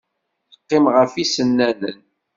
Teqqim ɣef yisennanen.